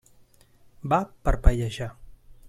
Va parpellejar.